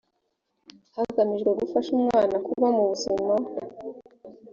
hagamijwe gufasha umwana kuba mu buzima